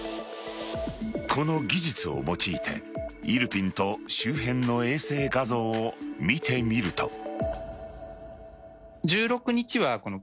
この技術を用いてイルピンと周辺の衛星画像を見てみると。